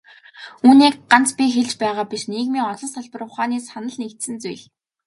Үүнийг ганц би хэлж байгаа биш, нийгмийн олон салбар ухааны санал нэгдсэн зүйл.